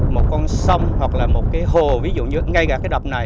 một con sông hoặc là một cái hồ ví dụ như ngay cả cái đập này